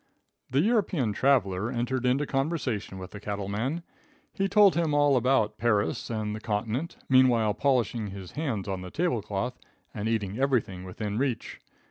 The European traveler entered into conversation with the cattle man. He told him all about Paris and the continent, meanwhile polishing his hands on the tablecloth and eating everything within reach.